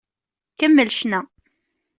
Kemmel ccna!